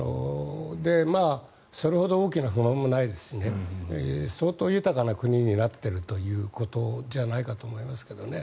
それほど大きな不満もないですし相当、豊かな国になっているということじゃないかと思いますけどね。